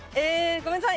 ごめんなさい。